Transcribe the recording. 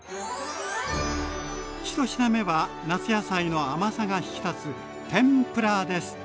１品目は夏野菜の甘さが引き立つ天ぷらです。